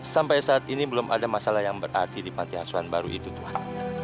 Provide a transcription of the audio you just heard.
sampai saat ini belum ada masalah yang berarti di panti asuhan baru itu tuhan